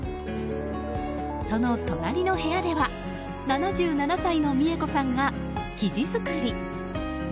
その隣の部屋では７７歳の美恵子さんが生地作り。